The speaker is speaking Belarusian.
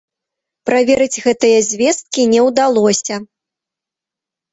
Праверыць гэтыя звесткі не ўдалося.